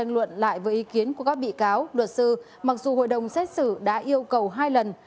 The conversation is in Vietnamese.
luận lại với ý kiến của các bị cáo luật sư mặc dù hội đồng xét xử đã yêu cầu hai lần